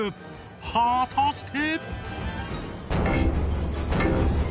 果たして？